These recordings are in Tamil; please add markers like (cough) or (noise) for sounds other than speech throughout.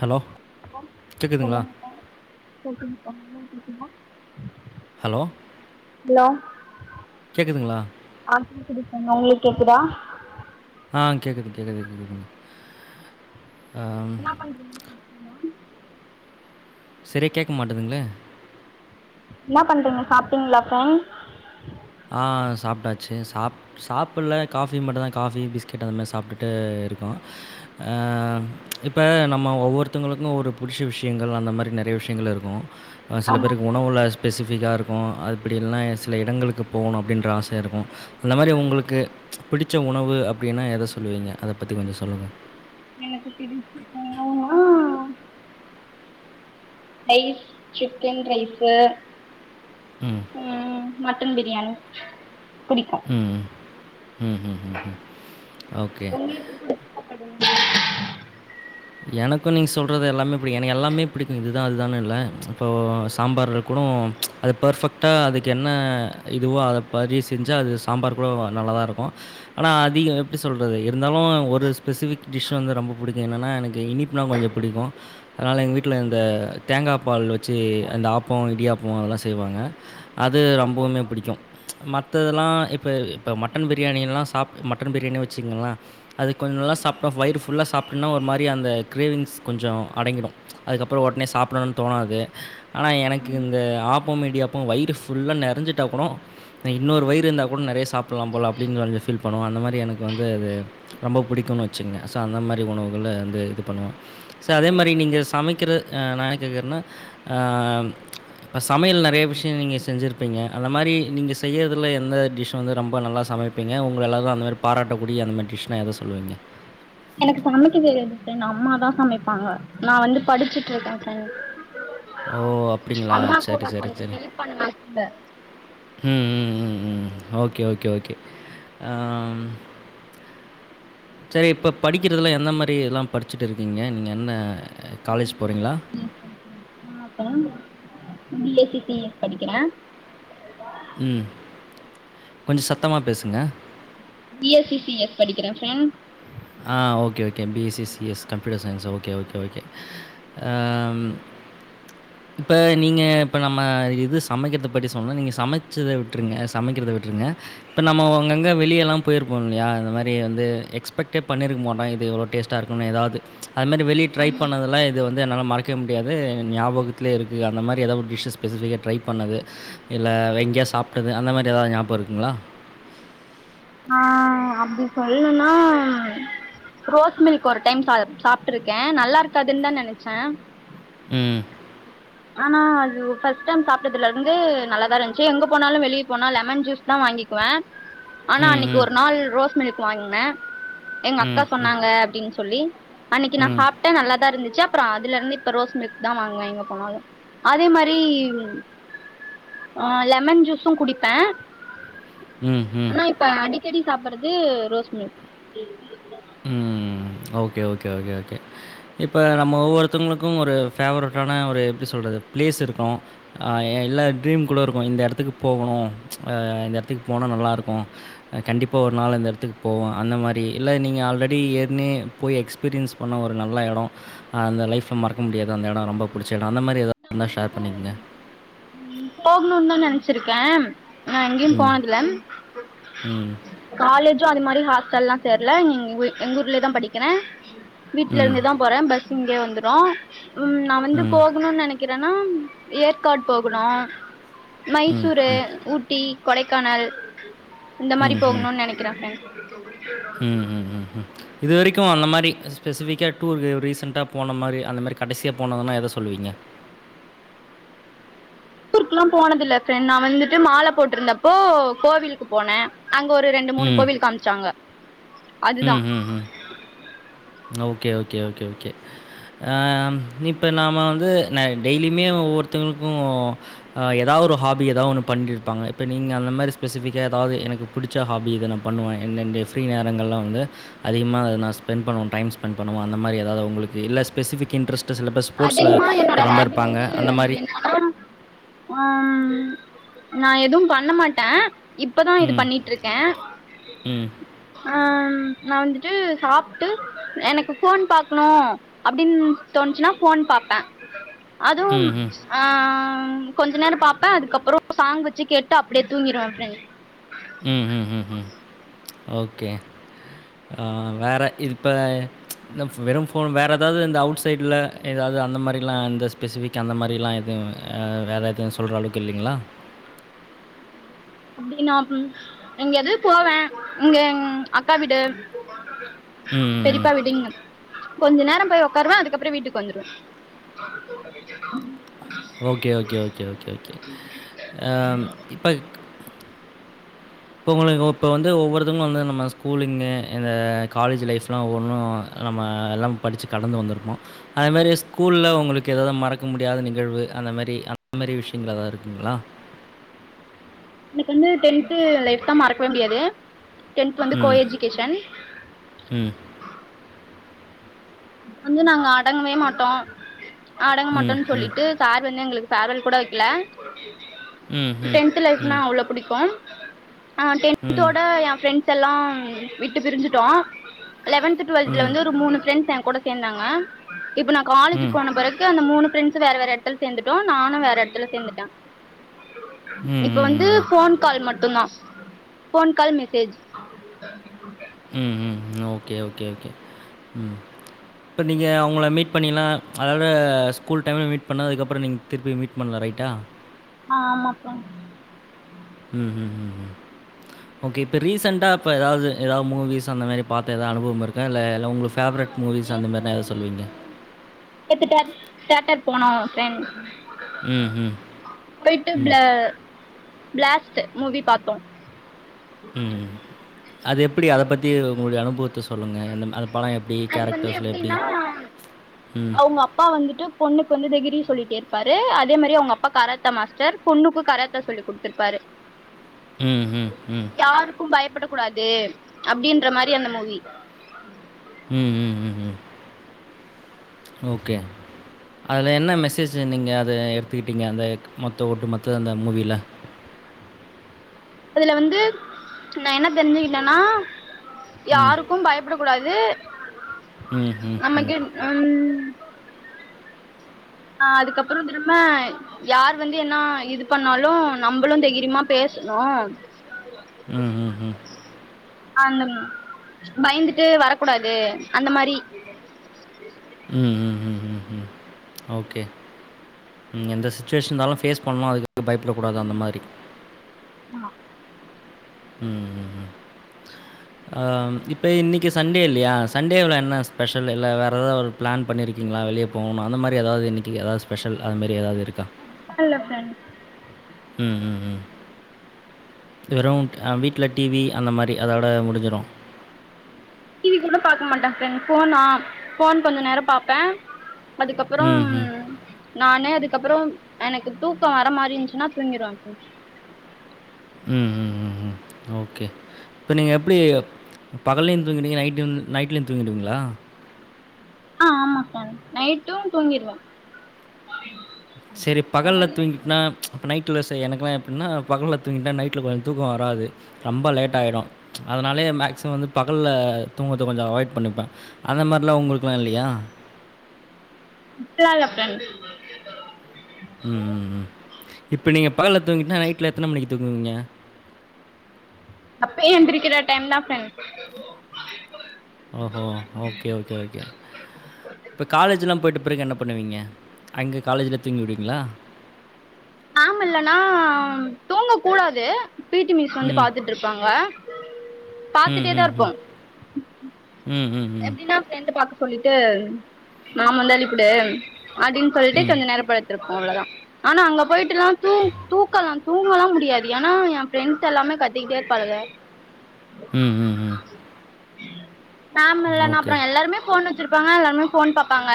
ஹலோ ஒ கேட்குதுங்களா சொல்லுங்கக்கா சொல்லுகக்கா (unintelligible) என்ன எப்டி இருங்கிங்க ஹலோ ஹலோ கேக்குதுங்ளா ஆ கேக்குது (unintelligible) கேக்குதா ஆ கேக்குது கேக்குது கேக்குதுங்க என்னா பண்றீங்க நீங்களா செரியா கேக்க மாட்டுதுங்ளே என்னா பண்றீங்க சாப்ட்டிங்ளா ஃப்பெரண்ட் ஆ சாப்ட்டாச்சு சாப் சாப்பட்ல காஃபி மட்டுந்தா காஃபி பிஸ்கெட் அது மாரி சாப்ட்டுட்டு இருக்கோ அ இப்ப நம்ம ஒவ்வொருத்தவுங்களுக்கு ஒரு புடிஷ்ஷ விஷயங்கள் அந்த மாரி நறைய விஷயங்கள் இருக் சில பேருக்கு ஆமாக்கா உணவுல ஸ்பெசிஃபிக்கா இருக்கு அப்படி இல்லனா சில இடங்களுக்கு போணு அப்டின்ற ஆச இருக்கு அந்த மாரி உங்களுக்கு பிடிச்ச உணவு அப்டின்னா எத சொல்லுவீங்க அத பத்தி கொஞ்சோ சொல்லுங்க எனக்கு பிடிச்ச உணவுணா ரைஸ் சிக்கன் ரைஸு ம் ம் மட்டன் பிரியாணி புடிக்கு ம் ம் ம் உங்களுக்கு புடிச்ச சாப்பாடு என்னது எனக்கு நீங்க சொல்றது எல்லாமே புடிக்கு எனக்கு எல்லாமே புடிக்கு இதுதா அதுதானு இல்ல இப்போ சாம்பார்ரகூடு அது பர்ஃபெக்ட்டா அதுக்கு என்ன இதுவோ அத பரி செஞ்சா அது சாம்பார் கூட நல்லாதா இருக்கு ஆனா அதிகோ எப்டி சொல்றது இருந்தாலு ஒரு ஸ்பெசிஃபிக் டிஷ் வந்து ரொம்ப புடிக்கு என்னன்னா எனக்கு இனிப்புனா கொஞ்சோ பிடிக்கு அதனால எங்க வீட்ல இந்த தேங்கா பால் வச்சு அந்த ஆப்போ இடியாப்போ அதெல்லா செய்வாங்க அது ரொம்பவுமே ஓகேக்கா பிடிக்கு மத்ததெல்லா‌ இப்ப இப்ப மட்டன் பிரியாணி எல்லா சாப் மட்டன் பிரியாணி வச்சிக்கங்கள அது கொஞ்சோ நல்லா சாப்ட்டா வயிறு ஃபுல்லா சாப்பிட்டோனா ஒரு மாரி அந்த கிரேவிங்ஸ் கொஞ்சோ அடங்கிடு அதுக்கப்புறோ ஒடனே சாப்படணுன்னு தோணாது ஆனா எனக்கு ம் இந்த ஆப்பம் இடியாப்பம் வயிறு ஃபுல்லா நெறஞ்சுட்டா கூடு நா இன்னொரு வயிறு இருந்தா கூட நறையா சாப்பட்லாம் போல அப்டின்னு கொஞ்சோ ஃப்ல் பண்ணுவ அந்த மாரி எனக்கு வந்து அது ரொம்ப புடிக்குன்னு வச்சுங்க சோ அந்த மாரி உணவுகள அ இது பண்ணுவ ச அதே மாரி நீங்க ஓகேக்கா சமைக்கிற நா என்ன கேக்கறனா ஆ இப்ப சமையல் நறைய விஷயோ நீங்க செஞ்சுருப்பீங்க அந்த மாரி நீங்க செய்யறதுல எந்த டிஷ் வந்து ரொம்ப நல்லா சமை ப்பீங்க உங்கள எல்லாரு அந்தமாரி பாராட்ட கூடிய அந்த மாரி டிஷ்னா எத சொல்வீங்க எனக்கு சமைக்க தெரியாது ஃப்ரெண்ட் அம்மாதா சமைப்பாங்க நா வந்து படிச்சுட்டு இருக்க ஃப்ரெண்ட் ஓ அப்டிங்களா சேரி சேரி சேரி பண்ணத்தில்ல ம் ம் ம் ம் ஓகே ஓகே ஓகே ஆ ம் சரி இப்ப படிக்கிறதுல எந்த மாரில்லாம் படிச்சுட்டுருக்கீங்க நீங்க என்ன நா காலேஜ் பி போறீங்ளா S (inaudible) B S C D S படிக்கிற ம் கொஞ்ச சத்தமா பேசுங்க B S C C S படிக்கிற ஃப்ரெண்ட் ஆ okay okay B S C C S computer science okay okay okay அ ம் இப்ப நீங்க இப்ப நம்ம இது சமைக்கிறத பத்தி சொன்னோ நீங்க சமைச்சத விட்ருங்க சமைக்கிறத விட்ருங்க இப்ப நம்மோ அங்கங்க வெளிய எல்லா போயிருப்போ இல்லையா இந்த மாரி வந்து எக்ஸ் பெட்டே பண்ணிருக்க மாட்டோ இது இவ்ளோ டேஸ்டா இருக்குன் ஏதாவது அது மாரி வெளிய ட்ரை ஆமா பண்ணதுலா இது வந்து என்னால மறக்கே முடியாது ஞாபகத்துத்திலே இருக்கு அந்த மாரி ஏதாவது ஒரு டிஷ்ஸஸ் ஸ்பெசிஃபிக்கா ட்ரை பண்ணது இல்ல வெங்கிய்யா சாப்பிட்டது அந்த மாதிரி எதாவுது ஞாபகோ இருக்குங்ளா ஆ அப்டி சொல்லுன்னா ரோஸ் மில்க் ஒரு டைம் சாப்ட்டுருக்கே நல்லா இருக்காதுன்னு தா நெனச்சே ம் ஆனா அது ஃபர்ஸ்ட் டைம் சாப்பிட்டதுல இருந்தது நல்லாதா இருந்துச்சு எங்க போனாலு வெளியே போனா லெமன் ஜூஸ் தா வாங்கிக்குவ (unintelligible) ஆனா அன்னைக்கு ம். ஒரு நாள் ரோஸ் மில்க் வாங்கினே எங்க அக்கா ம், ம். சொன்னாங்க அப்டின்னு சொல்லி அன்னைக்கு நா ம். சாப்பிட்ட நல்லாதா இருச்சு அதுல இருந்துப்ப ரோஸ் மில்க் தா வாங்குவே எங்க போனாலு அதே மாதிரி ஆ லெமன் ஜூஸு குடிப்ப ம் ம் இப்ப அடிக்கடி சாப்பிறது ரோஸ் மில்க் ம் ஓகே ஓகே ஓகே ஓகே இப்ப நம்ம ஒவ்வொருத்தவங்களுக்கு ஒரு ஃபேவரட்டான ஒரு எப்டி சொல்றது ஒரு பிளேஸ் இருக்கு அ இல்லா ட்ரீம் கூட இருக்கோ இந்த எடத்துக்கு போகனு அ இந்த எடத்துக்கு போனா நல்லா இருக்கு அ கண்டிப்பா ஒரு நாள் அந்த எடத்துக்கு போவோ அந்த மாரி இல்ல நீங்க ஆல்ரெடி ஏற்கனவே போய் எக்ஸ்பீரியன்ஸ் பண்ண ஒரு நல்ல எடோ அந்த லைஃப்ப மறக்க முடியாத அந்த எடோ ரொம்ப புடிச்ச எடோ அந்த மாரி எதா இருந்தா ஷேர் பண்ணிக்குங்க ம் போகணுனு தா நெனச்சிருக்க ஆனா எங்கயு ம். போனதில்ல ம். காலேஜு அது மாரி ஹாஸ்ட்டல்லா சேர்ல இங்க எங்க ஊர்லே தா படிக்கிற வீட்ல ம். இருந்துதா போற பஸ் இங்கே வந்துரோ ம் நா வந்து போகணுனு நெனை க்கிறனா ஏற்காடு போகுணு மைசூரு ஊட்டி கொடைக்கானல் இந்த மாரி ம். ம். போகனோனு நெனைக்கிற ஃப்ரெண்ட் ம் ம் ம் ம் இது வரைக்கு அந்த மாரி ஸ்பெசிஃபிக்கா டூருக்கு ரீசண்ட்டா போன மாரி அந்த மாரி கடசியா போனதுன்னா எத சொல்லுவீங்க டூருக்குல்லா போனதில்ல ஃப்ரெண்ட் நா வந்துட்டு மால போட்டிருந்தப்போ கோவிலுக்கு போன அங்க ஒரு ரெண்டு மூணு ம். கோவில் காமிச்சாங்க அதுதா ம், ம், ம். ஓகே ஓகே ஓகே ஓகே அ இப்ப நாம வந்து நா டெய்லியுமே ஒவ்வொருத்தவங்களுக்கு அ எதாவுது ஒரு ஹாபி எதாவூது ஒன்னு பண்ணிட்டுருப்பாங்க இப்போ நீங்க அந்த மாரி ஸ்பெசிஃபிக்கா எதாவது எனக்கு புடிச்ச ஹாபி இத நா பண்ணுவ எண் என்ணோட ஃப்ரீ நேரங்கள்ள வந்து அதிகமா அத நா ஸ்பெண்ட் பண்ணுவ டைம் ஸ்பெண்ட் பண்ணுவோ அந்த மாரி எதாவுது உங்களுக்கு இல்ல ஸ்பெசிக் இன்ட்ரஸ்ட் அதிகமா என்னோட ஹாபி வந்து அந்த மாரி. என்னான்னா அ நா எது பண்ணமாட்ட இப் இப்பதா இது ம், பண்ணிட்டு இருக்க ம். அ நா வந்துட்டு சாப்ட்டு எனக்கு ஃபோன் பாக்கனு அப்டின் தோணுச்சுன்னா ஃபோன் பாப்ப அதுவும் ம்ஹ்ம். ஆ கொஞ்சோ நேரோ பாப்ப அதுக்கப்புறோ சாங் வச்சு கேட்டு அப்டியே தூங்கிருவ ஃப்ரெண்ட் ம் ம் ம் ம் ஓகே ஆ வேற இதுஇப்ப இந்த வெறு ஃபோன் வேற எதாவுது இந்த அவுட் சைட்ல எதாவது அந்த மாரிலா இந்த ஸ்பெசிஃபி க் அந்த மாரிலா எதுவு வேற எதுவு சொல்ற அளவுக்கு இல்லிங்ளா அப்டின்னா ம் எங்கயாவு போவே இங்க எங் அக்கா வீடு ம் பெரிப்பா வீடு இங்க கொஞ்ச நேர போய் ஒக்காருவ அதுக்கப்ற வீட்டுக் வந்துருவ okay okay okay okay okay அ இப்பக் இப்ப ஒங்களுக்கு ஒப்ப வந்து ஒவ்வொருத்தவுங்ளு வந்து நம்ம ஸ்கூலிங்கு இந்த காலேஜ் லைஃப்ல்லா ஒவ்வொன்னு நம்ம எல்லா படுச்சி கடந்து வந்துருப்போ அது மாரி ஸ்கூல்ல உங்களுக்கு எதாவ்து மறக்க முடியாத நிகழ்வு அந்த மாரி அந்த மாரி விஷ்யங்கள் எதா இருக்குங்ளா எனக் வந்து டென்த்து லைஃப் தா மறக்வே முடியாது டென்த் வந்து கோ ம். எஜுகேஷன் ம் வந்து நாங் அடங்வே மாட்டோ அடங் ம் மாட்டோன் ம் ம் சொல்லிட்டு சார் வந்து எங்ளுக்கு ஃபேர்வல் கூட வக்கில ம் ம் டென்த்து லைஃப்னா ம் அவ்ளோ புடிக்கு அ ம் டென்த்தோட ஏ ஃப்ரெண்ட் செல்லா விட்டு பிரிஞ்சிட்டோ லெவன்த்து டுவல்த்ல ம் ம் வந்து ஒரு மூணு ஃபிரண்ட்ஸ் ஏ கூட சேந்தாங்க இப்ப நா காலேஜு போன பெறகு கு அந்த மூணு ஃப்ரெண்ட்ஸ் வேற வேற எட்த்துல சேந்துட்டோ நானு வேற எட்த்துல சேந்துட்ட ம் இப்ப ம் வந்து ம் ஃபோன் கால் மட் டுதா ஃபோன் கால் மெசேஜ் ம் ம் ஓகே ஓகே ஓகே ம் ப்ப நீங்க அவுங்ள மீட் பண்ணிலா அதோட ஸ்கூல் டைம்ல் மீட் பண்ண அதுக்கப்புற நீங் திர்ப்பி மீட் பண்ல ரைட்டா அ ஆமாப்பா ம் ம் ம் ம் ஓகே இப்ப ரீசண்டா இப்ப எதாவ்து எதா மூவிஸ் அந்த மேரி் பாத்த எதா அனுபவம் இருக்கா இல்ல எல்லா உங்ளுஃப் ஃபேவ்ரெட் மூவிஸ் நேத்து அந்தமேர்னா எத சொல்வீங்க நேத்து நேத்து டன் தேட்டர் போனோ ஃப்ரெண் ம் ம் போயிட்டு ப்ள ம் ப்ளேஸ்ட்டு மூவி பாத்தோ ம் அது எப்புடி அத பத்தி உங்குளுடிய அனுபுவத்த சொல்லுங்க அது வந்து எப்டின்னா ம் அவுங்க அப்பா வந்துட்டு பொண்ணுக் வந்து தெகிரி சொல்லிட்டே இருப்பாரு அதே மரி அவுங்க அப்பா கராத்த மாஸ்டர் பொண்ணுக்கு கராத்த சொல்லி் குட்த்துருப்பாரு ம் ம் ம் கு பயப்புக்கூடாது அப்டின்ற மாரி அந்த மூவி (inaudible) ம் ம் ம் ம் ஓகே அதுல என்ன மெசேசு நீங்க அத எடுத்துக்குட்டிங்க அந்தக் மொத்த ஒட்டு மொத்த அந்த மூவில அதுல வந்து நா என்ன தெரிஞ்சுக்கிட்டனா ம். யாருக்கு பயப் புடக்கூடாது ம், ம், ம். நம்மக் என் ம் அ அதுக்கப்புற திரும்ம யார் வந்து என்னா இது பண்ணாலு நம்மளு தெகிரிமா பேசுணு ம் ம் ம் அந்தம் பயந்துட்டு வரக்கூடாது அந்த மரி ம் ம் ம் ம் ம் ஓகே ம் எந்த சுச்சுவேஷன்ந்தாலு ஃபேஸ் பண்ணு அதுக்காக பயப்புட கூடாது அந்த மாரி ம் ம் ம் அ இப்ப இன்னிக்கி சண்டே இல்லயா சண்டேவுல என்ன ஸ்பெஷல் இல்ல வேறு எதா ஒரு ப்ளேன் பண்ணிருக்கீங்ளா வெளிய போவணு அந்தமாரி எதாவ்து இன்னிக்கி எதாவ்து ஸ்பெஷல் அதமேரி எதாவ்து இருக்கா ஹலோ ஃப்ரெண்ட் ம் ம் ம் வெறு வீட்ல டிவி அந்த மாரி அதோட முடிஞ்சிடு டிவி கூட பாக்க மாட்ட ப்ரெண்ட் ஃபோனா ஃபோன் கொஞ்ச நேரோ பாப்பே அதுக்கப்புறம் ம்ஹ்ம். நானே அதுக்கப்பறோ எனக்கு தூக்கோ வர மாறி இருச்சுன்னா தூங்கிருவே ம் ம் ம் ம் ஓகே இப்போ நீங்க எப்டி பகலையு தூங்கிடுவீங்க நைட் நைட்லயு தூங்கிடுவீங்களா ஆ ஆமா ப்ரெண்ட் நைட்டு தூங்கடுவே செரி பகல்ல தூங்கிட்னா ச் நைட்டில ச எனக்குலா எப்டின்னா பகல்ல தூங்கிட்னா நைட்டில கொஞ்சோ தூக்கோ வராது ரெம்ப லேட் ஆயிடு ச் அதனாலயே மேக்சிமம் வந்து பகல தூங்குரது கொஞ்சோ அவாய்ட் பண்ணிப்பே அத மாரில்லா உங்களுக்கெல்லா இல்லையா அப்டிலா இல்ல ப்ரெண்ட் ம் ம் ம் இப்போ நீங்க பகல தூங்கிட்டனா நைட்ல எத்தன மணிக்கு தூங்குவீங்க அப்பே எந்திரிக்கிற டைம் தா ப்ரெண் ஓஹோ ஓகே ஓகே ஓகே இப்போ காலேஜ்லா போய்ட்ட பிறகு என்ன பண்ணுவீங்க அங்கே காலேஜில தூங்கிடுவீங்களா மேம் இல்லனா தூங்க கூடாது பீடி மீஸ் வந்து ம். பாத்துட்டு இருப்பாங்க ம், பாத்துட்டே தா ம், ம். இருப்போ ம் ம் ம். எப்டின்னா பிரின்ட்ட பாக்க சொல்லிட்டு நாம வந்து பின்டு (unintelligible) சொல்ட்டு ம். கொஞ்ச நேரோ படுத்திருப்போ அவ்ளோதா ஆனா அங்க போயிட்டு எல்லா தூ தூக்கலா தூங்கலா முடியாது ஏனா என் ஃப்ரெண்ட்ஸ் எல்லாமே கத்திக்கிட்டே இருப்பாளுங்க ம் ம், ம். மேம் இல்லனா ஓகே. அப்றோ எல்லாமே ஃபோன் வச்சிருப்பாங்க எல்லாருமே ஃபோன் பாப்பாங்க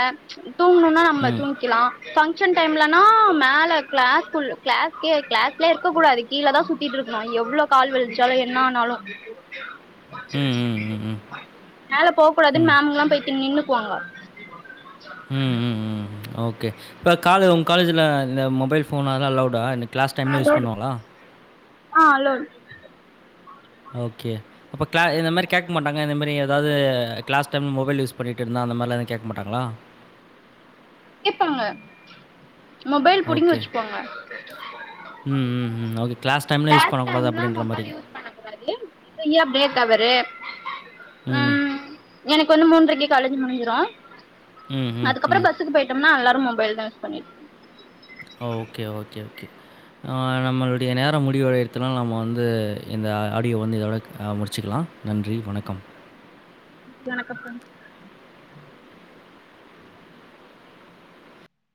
தூங்கணு ம். நம்மள ம், தூங்கிக்லா பங்க்ஷன் டைம்லனா மேல கிளாஸ்கு கிளாஸ்க்யே கிளாஸ்லே இருக்க கூடாது கீழ தா சுத்திட்டு இருக்கணு எவ்ளோ கால் வழிச்சாலு என்ன ஆனாலு ம், ம், ம். மேல போக கூடாதுன்னு மேம் எல்லா போயிட்டு நின்னுப்பாங்க ம் ம் ம் ஓகே இப்போ கால உங்க காலேஜில இந்த மொபைல் ஃபோன் எல்லா அலவுடா எனக்கு கிளாஸ் டைம்ல யூஸ் பண்வாங்களா ஆ அலோட் ஓகே அப்ப கிள என்ன மாரி கேக் க்க மாட்டங்க இந்த மாரி ஏதாவது கிளாஸ் டைம் மொபைல் யூஸ் பண்ணிட்டு இருந்தா அந்த மாரிலா வந்து கேக்க மாட்டாங்களா கேப்பாங்க மொபைல் புடிங்கி ஓகே. வச்சுப்பாங்க ம் ம் ம் ஓகே கிளஸ் டைம்ல யூஸ் பண்ணக்கூடாது டைம்லா அப்டின்ற மாரி மொபைல் யூஸ் அவரு ம் (unintelligible) எனக்கு வந்து மூன்ரைக்கு காலேஜ் முடிஞ்சிரு ம், ம், அதுக்கப்பறோ ம். பஸ் ஸுக்கு போய்ட்டோம்னா எல்லாரு மொபைல்தா யூஸ் பண்ணிட்டு ஓ ஓகே ஓகே ஓகே ஆ நம்மளுடைய நேரம் முடிவடையருதுனால நம்ம வந்து இந்த ஆடியோ வந்து இதோட முடிச்சுக்குலா நன்றி வணக்கம் வணக்கம் ஃப்ரெண்ட்